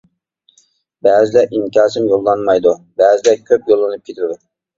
بەزىدە ئىنكاسىم يوللانمايدۇ، بەزىدە كۆپ يوللىنىپ كېتىدۇ.